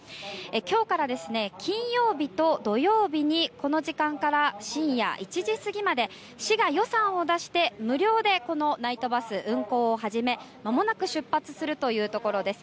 今日から金曜日と土曜日にこの時間から深夜１時過ぎまで市が予算を出して無料でナイトバスの運行を始めまもなく出発するというところです。